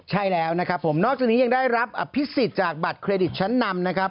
ใช่แล้วนะครับผมนอกจากนี้ยังได้รับอภิษฎจากบัตรเครดิตชั้นนำนะครับ